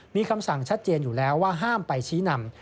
มีคำสั่งชัดเจนอยู่แล้วว่าห้ามไปชี้นำ